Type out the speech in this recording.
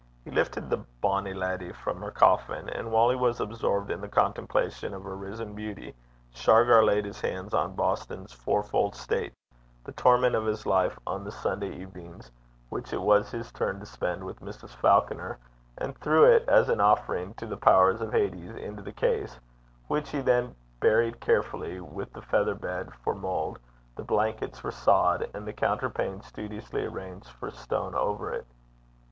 He lifted the 'bonny leddy' from her coffin; and while he was absorbed in the contemplation of her risen beauty, Shargar laid his hands on Boston's Four fold State, the torment of his life on the Sunday evenings which it was his turn to spend with Mrs. Falconer, and threw it as an offering to the powers of Hades into the case, which he then buried carefully, with the feather bed for mould, the blankets for sod, and the counterpane studiously arranged for stone, over it.